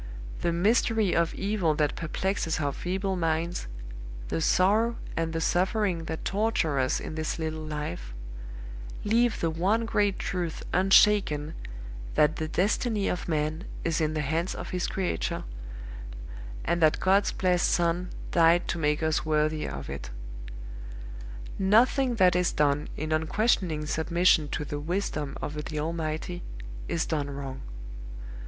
The mystery of Evil that perplexes our feeble minds, the sorrow and the suffering that torture us in this little life, leave the one great truth unshaken that the destiny of man is in the hands of his Creator, and that God's blessed Son died to make us worthier of it. Nothing that is done in unquestioning submission to the wisdom of the Almighty is done wrong.